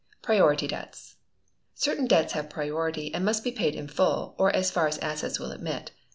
Priority Debts. Certain debts have priority, and must be paid in full, or as far as assets will admit.